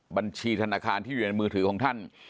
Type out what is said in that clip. บัญชีธนาคารที่อยู่ในมือถือของท่าน